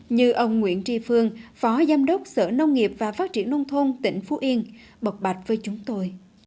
như ông nguyễn tri phương phó giám đốc sở nông nghiệp và phát triển nông thôn tỉnh phú yên bọc bạch với chúng tôi